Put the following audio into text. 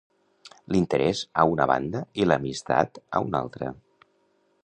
L'interès a una banda i l'amistat a una altra.